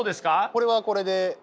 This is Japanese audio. これはこれで。